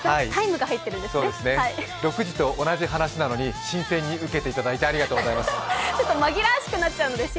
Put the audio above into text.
６時と同じ話なのに新鮮に受けていただいてありがとうございます。